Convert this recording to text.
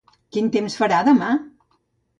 Quin temps farà demà?